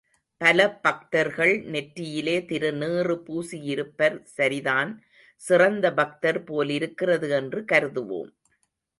பல பக்தர்கள் நெற்றியிலே திருநீறு பூசியிருப்பர் சரிதான், சிறந்த பக்தர் போலிருக்கிறது என்று கருதுவோம்.